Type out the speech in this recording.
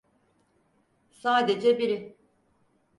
Sadece biri.